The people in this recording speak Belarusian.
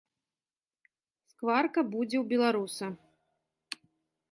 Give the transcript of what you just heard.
Скварка будзе ў беларуса.